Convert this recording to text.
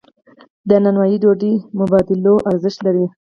د نانوایی ډوډۍ مبادلوي ارزښت لري.